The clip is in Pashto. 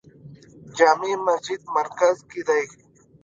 جامع مسجد مرکز کې دی